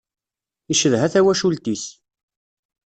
Icedha tawacult-is.